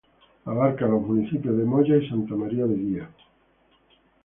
Abarca los municipios de Moya y Santa María de Guía.